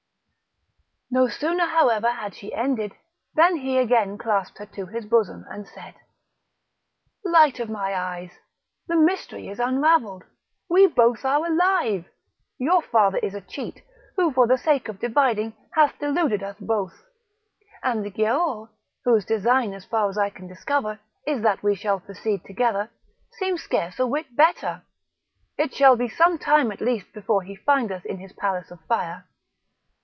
No sooner, however, had she ended, than he again clasped her to his bosom, and said: "Light of my eyes! the mystery is unravelled; we both are alive! your father is a cheat, who, for the sake of dividing, hath deluded us both; and the Giaour, whose design, as far as I can discover, is that we shall proceed together, seems scarce a whit better; it shall be some time at least before he find us in his palace of fire.